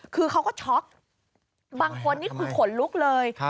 คือเขาก็ช็อกบางคนนี่คือขนลุกเลย